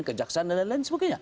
ke jaksan dan lain lain sebagainya